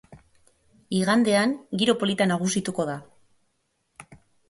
Igandean giro polita nagusituko da.